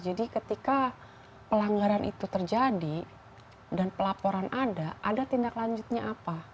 jadi ketika pelanggaran itu terjadi dan pelaporan ada ada tindak lanjutnya apa